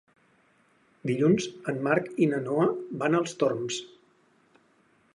Dilluns en Marc i na Noa van als Torms.